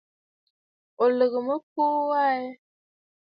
Ò lɨ̀gə̀ mə ɨkuu aa wa?